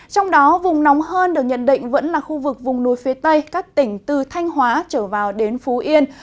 trong đó vùng nóng hơn được nhận định vẫn là khu vực vùng núi phía tây các tỉnh từ thanh hóa trở vào đến phú yên